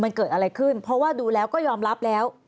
มันเกิดอะไรขึ้นเพราะว่าดูแล้วก็ยอมรับแล้ว